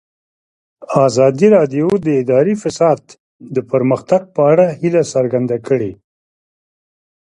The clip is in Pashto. ازادي راډیو د اداري فساد د پرمختګ په اړه هیله څرګنده کړې.